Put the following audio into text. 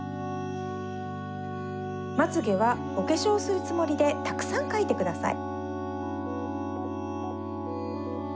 まつげはおけしょうするつもりでたくさんかいてください。